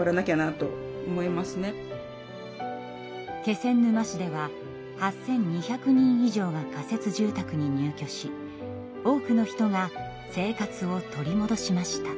気仙沼市では８，２００人以上が仮設住宅に入居し多くの人が生活を取りもどしました。